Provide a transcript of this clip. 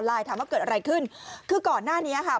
ถามว่าเกิดอะไรขึ้นคือก่อนหน้านี้ค่ะ